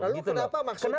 lalu kenapa maksudnya